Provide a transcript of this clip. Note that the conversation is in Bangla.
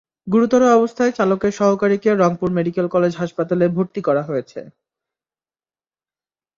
গুরুতর অবস্থায় চালকের সহকারীকে রংপুর মেডিকেল কলেজ হাসপাতালে ভর্তি করা হয়েছে।